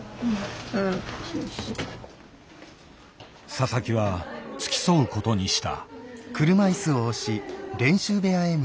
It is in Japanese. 佐々木は付き添うことにした。